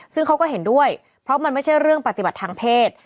ซึ่งเขาก็เห็นด้วยเพราะมันไม่ใช่เรื่องปฏิบัติทางเพศ